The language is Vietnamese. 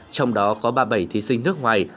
trong đó có ba mươi bảy thí sinh nước ngoài